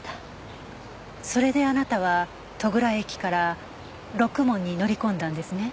それであなたは戸倉駅からろくもんに乗り込んだんですね。